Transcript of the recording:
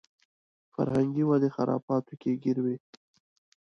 فرهنګي ودې خرافاتو کې ګیر و.